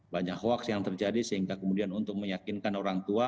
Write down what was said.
banyak hoaks yang terjadi sehingga kemudian untuk meyakinkan orang tua